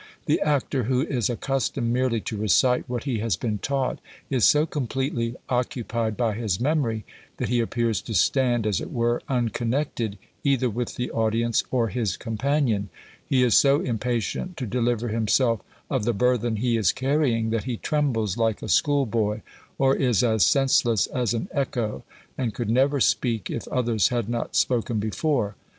The actor who is accustomed merely to recite what he has been taught is so completely occupied by his memory, that he appears to stand, as it were, unconnected either with the audience or his companion; he is so impatient to deliver himself of the burthen he is carrying, that he trembles like a school boy, or is as senseless as an Echo, and could never speak if others had not spoken before.